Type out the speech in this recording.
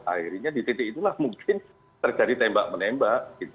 akhirnya di titik itulah mungkin terjadi tembak menembak